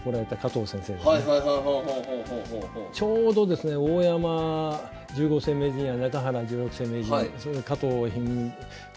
ちょうどですね大山十五世名人や中原十六世名人加藤一二三九